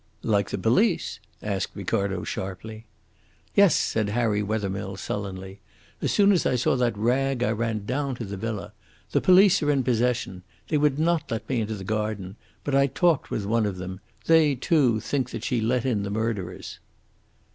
"Like the police?" asked Ricardo sharply. "Yes," said Harry Wethermill sullenly. "As soon as I saw that rag I ran down to the villa. The police are in possession. They would not let me into the garden. But I talked with one of them. They, too, think that she let in the murderers."